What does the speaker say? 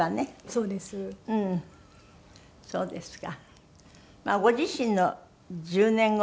そうですね。